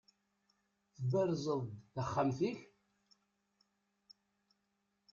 Tberzeḍ-d taxxamt-ik?